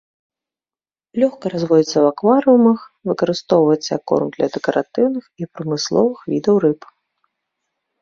Лёгка разводзіцца ў акварыумах, выкарыстоўваецца як корм для дэкаратыўных і прамысловых відаў рыб.